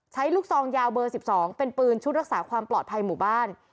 ลูกซองยาวเบอร์๑๒เป็นปืนชุดรักษาความปลอดภัยหมู่บ้าน